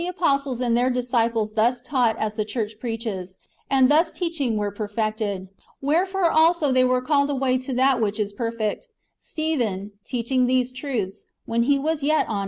But that both the apostles and their disciples thus taught as the church preaches, and thus teaching were per fected, wherefore also they were called away to that which is perfect — Stephen, teaching these truths, when he was yet on.